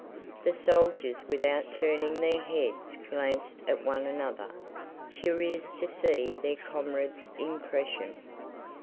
The soldiers without turning their heads glanced at one another, curious to see their comrades' impression.